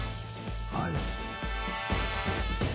はい。